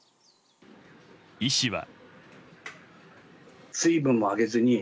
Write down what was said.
医師は。